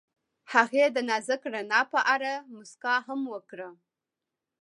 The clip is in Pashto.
هغې د نازک رڼا په اړه خوږه موسکا هم وکړه.